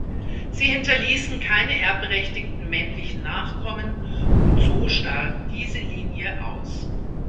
Sie hinterließen keine erbberechtigten männlichen Nachkommen, und so starb diese Linie aus.